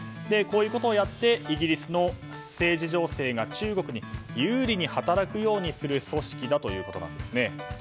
こういうことをやってイギリスの政治情勢が中国に有利に働くようにする組織だということです。